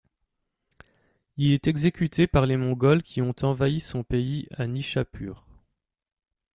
Il est exécuté par les Mongols qui ont envahi son pays à Nishâpûr.